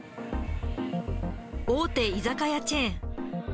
大手居酒屋チェーン。